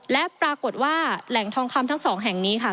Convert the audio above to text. และปรากฏว่าแหล่งทองคำทั้งสองแห่งนี้ค่ะ